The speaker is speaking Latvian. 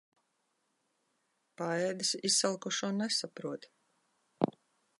Paēdis izsalkušo nesaprot.